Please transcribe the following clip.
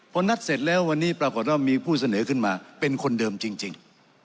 พอนัดเสร็จแล้ววันนี้ปรากฏว่ามีผู้เสนอขึ้นมาเป็นคนเดิมจริง